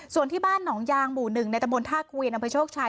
ส่วนที่บ้านหนองยางหมู่๑ในตะบนท่าเกวียนอำเภอโชคชัย